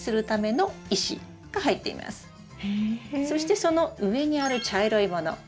そしてその上にある茶色いもの